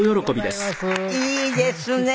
いいですね。